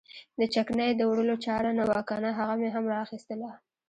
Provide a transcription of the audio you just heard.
د چکنۍ د وړلو چاره نه وه کنه هغه مې هم را اخیستله.